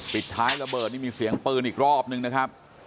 ปิดท้ายระเบิดนี่มีเสียงปืนอีกรอบนึงนะครับ